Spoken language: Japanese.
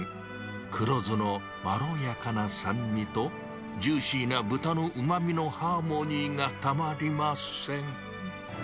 黒酢のまろやかな酸味と、ジューシーな豚のうまみのハーモニーがたまりません。